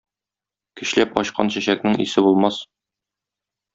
Көчләп ачкан чәчәкнең исе булмас.